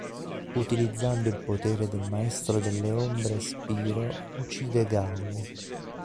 Utilizzando il potere del Maestro delle Ombre Spyro uccide Gaul.